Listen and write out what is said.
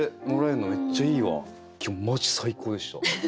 今日マジ最高でした。